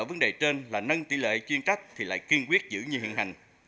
nhưng ở vấn đề trên là nâng tỷ lệ chuyên trách thì lại kiên quyết giữ như hiện hành